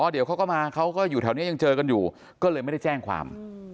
เดี๋ยวเขาก็มาเขาก็อยู่แถวนี้ยังเจอกันอยู่ก็เลยไม่ได้แจ้งความ